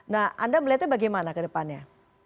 nah anda melihatnya bagaimana ke depannya